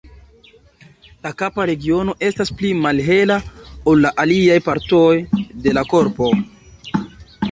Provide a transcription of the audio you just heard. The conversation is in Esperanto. La kapa regiono estas pli malhela ol la aliaj partoj de la korpo.